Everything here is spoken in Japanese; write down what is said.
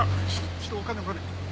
ちょっとお金お金。